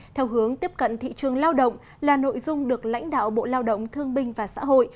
theo hướng tiếp cận thị trường lao động là nội dung được lãnh đạo bộ lao động thương binh và xã hội